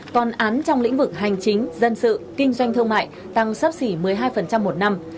còn án trong lĩnh vực hành chính dân sự kinh doanh thương mại tăng sấp xỉ một mươi hai một năm